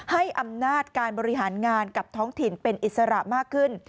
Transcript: ให้อำนาจการบริหารงานกับท้องถิ่นเป็นอิสระมากขึ้น